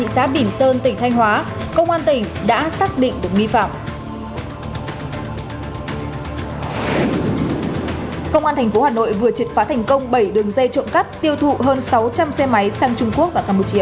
công an thành phố hà nội vừa triệt phá thành công bảy đường dây trộm cắt tiêu thụ hơn sáu trăm linh xe máy sang trung quốc và campuchia